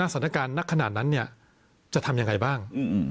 ศักดิ์การนักขนาดนั้นนี้จะทำยังไงบ้าง